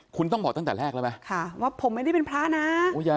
คุณต้องบอกตั้งแต่แรกแล้วไหมค่ะว่าผมไม่ได้เป็นพระนะ